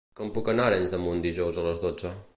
Com puc anar a Arenys de Munt dijous a les dotze?